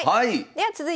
はい！